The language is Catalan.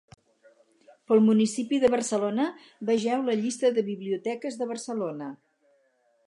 Pel municipi de Barcelona vegeu la llista de biblioteques de Barcelona.